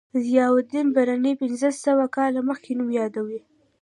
ضیاءالدین برني پنځه سوه کاله مخکې نوم یادوي.